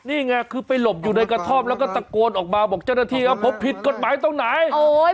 นี่ไงคือไปหลบอยู่ในกระท่อมแล้วก็ตะโกนออกมาบอกเจ้าหน้าที่ว่าผมผิดกฎหมายตรงไหน